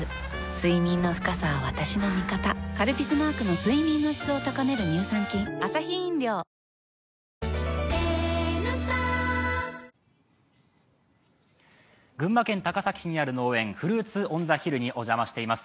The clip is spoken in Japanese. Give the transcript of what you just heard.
睡眠の深さは私の味方「カルピス」マークの睡眠の質を高める乳酸菌群馬県高崎市にある農園フルーツオンザヒルにお邪魔しています。